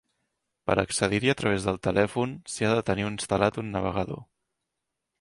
Per accedir-hi a través del telèfon, s'hi ha de tenir instal·lat un navegador.